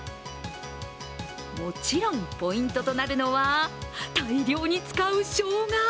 もちろんポイントとなるのは、大量に使うしょうが。